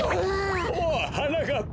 おっはなかっぱ！